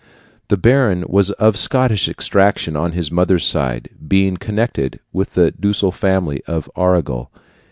The baron was of Scottish extraction on his mother's side, being connected with the ducal family of Argyll.